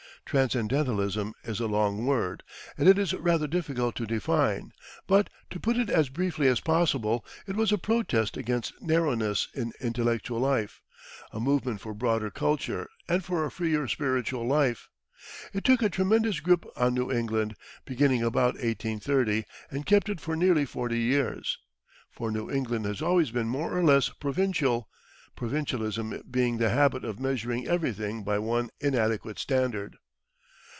Transcendentalism is a long word, and it is rather difficult to define, but, to put it as briefly as possible, it was a protest against narrowness in intellectual life, a movement for broader culture and for a freer spiritual life. It took a tremendous grip on New England, beginning about 1830, and kept it for nearly forty years; for New England has always been more or less provincial provincialism being the habit of measuring everything by one inadequate standard.